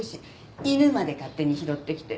犬まで勝手に拾ってきて。